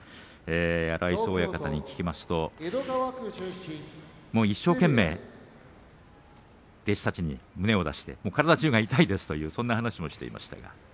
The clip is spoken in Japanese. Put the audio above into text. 荒磯親方に聞きますと一生懸命弟子たちに胸を出して体じゅうが痛いですという話をしていました。